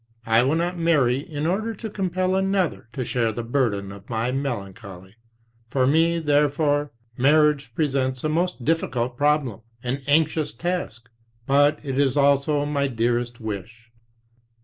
I will not marry in order to compel another to share the burden of my melancholy. For me, therefore, marriage presents a most difficult problem, an anxious task; but it is also my dearest wish."